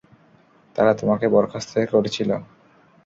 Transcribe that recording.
তারা তোমাকে বরখাস্তের করেছিল।